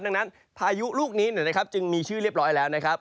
ดังนั้นพายุลูกนี้จึงมีชื่อเรียบร้อยแล้วนะครับ